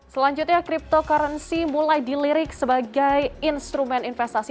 selanjutnya cryptocurrency mulai dilirik sebagai instrumen investasi